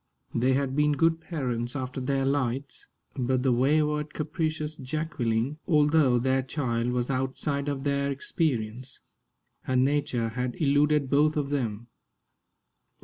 They had been good parents after their lights, but the wayward, capricious Jacqueline, although their child, was outside of their experience. Her nature had eluded both of them.